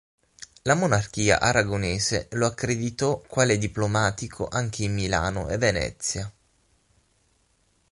La monarchia aragonese lo accreditò quale diplomatico anche in Milano e Venezia.